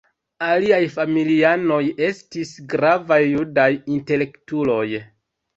Aliaj familianoj estis gravaj judaj intelektuloj.